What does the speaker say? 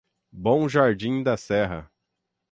Bom Jardim da Serra